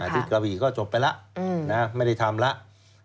ที่กระบี่ก็จบไปแล้วไม่ได้ทำแล้ว